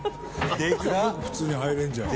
普通に入れんじゃん。